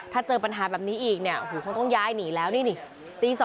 ถ้าเจอปัญหาแบบนี้อีกคงต้องย้ายหนีแล้วนี่นี่